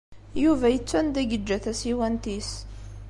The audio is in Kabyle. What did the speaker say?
Yuba yettu anda i yeǧǧa tasiwant-is.